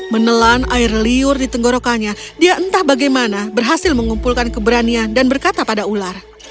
menelan air liur di tenggorokannya dia entah bagaimana berhasil mengumpulkan keberanian dan berkata pada ular